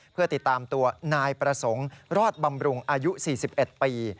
เพื่อติดตามตัวนายประสงค์รอดบำรุงอายุ๔๑ปี